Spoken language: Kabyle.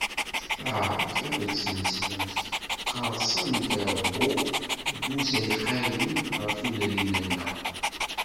Taɛrabt akked tineslemt qqeṛsen-d i Ṛebbu deg uzal qayli ɣer tudrin-nneɣ.